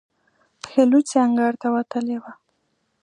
پښې لوڅې انګړ ته وتلې وه.